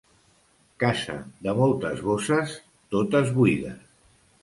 Casa de moltes bosses, totes buides.